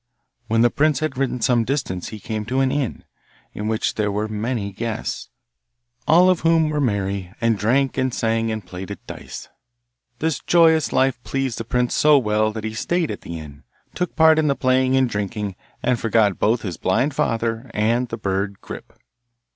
When the prince had ridden some distance he came to an inn, in which there were many guests, all of whom were merry, and drank and sang and played at dice. This joyous life pleased the prince so well that he stayed in the inn, took part in the playing and drinking, and forgot both his blind father and the bird Grip.